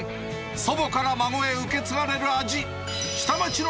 祖母から孫へ受け継がれる味。